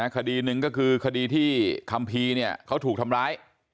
คดีหนึ่งก็คือคดีที่คัมภีร์เนี่ยเขาถูกทำร้าย